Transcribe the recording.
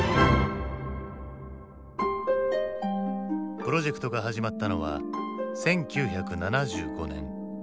プロジェクトが始まったのは１９７５年。